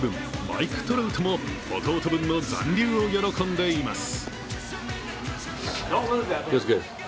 マイク・トラウトも弟分の残留に喜んでいます。